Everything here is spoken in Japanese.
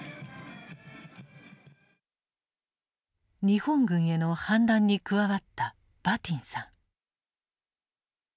日本軍への反乱に加わったバティンさん。